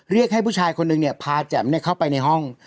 เรียกให้ผู้ชายคนนึงเนี่ยพาแจ๋มเข้าไปในห้อง